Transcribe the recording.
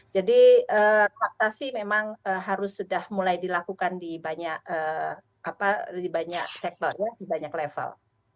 jadi vaksin memang harus sudah mulai dilakukan di banyak sektor di banyak level